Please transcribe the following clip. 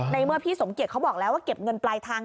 เมื่อพี่สมเกียจเขาบอกแล้วว่าเก็บเงินปลายทาง